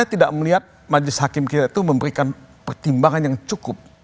saya tidak melihat majelis hakim kita itu memberikan pertimbangan yang cukup